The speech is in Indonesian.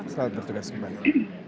selamat bertugas kembali